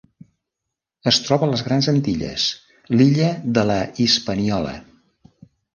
Es troba a les Grans Antilles: l'illa de la Hispaniola.